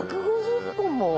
１５０本も。